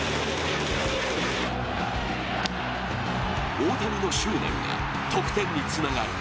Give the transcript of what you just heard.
大谷の執念が得点につながり